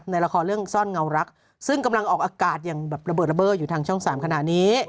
ในละครเรื่องซ่อนเงารักซึ่งกำลังออกอากาศอย่างแบบระเบิดระเบิดอยู่ทางช่อง๓ขณะนี้